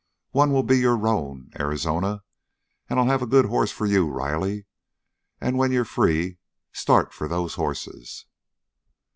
One will be your roan, Arizona. And I'll have a good horse for you, Riley. And when you're free start for those horses."